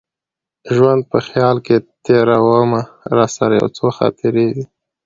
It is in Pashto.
ژوند په خیال کي تېرومه راسره څو خاطرې دي